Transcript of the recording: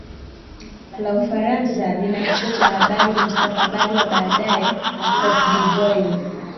la ufaransa lina kichwa cha habari mustakabali wa baadaye wa cote de voire